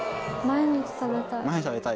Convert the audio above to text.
毎日食べたい？